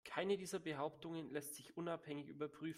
Keine dieser Behauptungen lässt sich unabhängig überprüfen.